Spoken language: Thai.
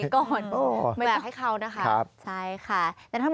หนีก่อนแบบให้เขานะคะใช่ค่ะแต่ถ้าหมด